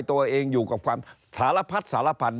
ตัวเองอยู่กับความสารพัดสารพันธ